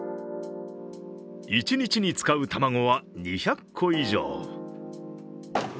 １日に使う卵は、２００個以上。